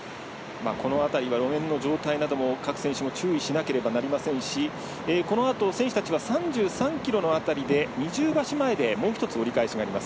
この辺りは路面の状態を各選手注意しなければなりませんしこのあと、選手たちは３３ｋｍの辺りで二重橋前でもう一つ折り返します。